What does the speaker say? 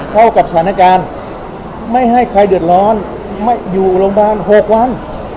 เท่ากับสถานการณ์ไม่ให้ใครเดือดร้อนไม่อยู่โรงพยาบาล๖วัน